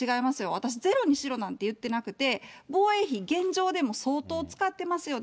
私、ゼロにしろなんて言ってなくて、防衛費、現状でも相当使ってますよね。